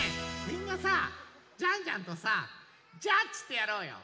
みんなさジャンジャンとさジャッチってやろうよ。